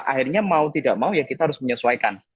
akhirnya mau tidak mau ya kita harus menyesuaikan